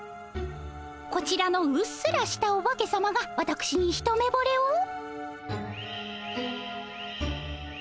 こちらのうっすらしたおばけさまがわたくしに一目ぼれを？